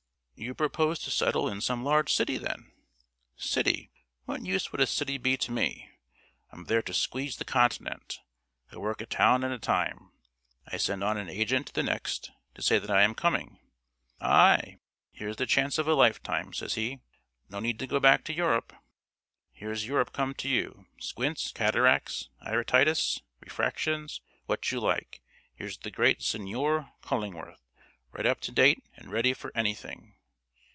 "You propose to settle in some large city, then?" "City! What use would a city be to me? I'm there to squeeze the continent. I work a town at a time. I send on an agent to the next to say that I am coming. I 'Here's the chance of a lifetime,' says he, 'no need to go back to Europe. Here's Europe come to you. Squints, cataracts, iritis, refractions, what you like; here's the great Signor Cullingworth, right up to date and ready for anything!